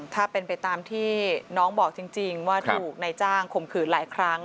ถ้าเป็นไปตามที่น้องบอกจริงว่าถูกนายจ้างข่มขืนหลายครั้ง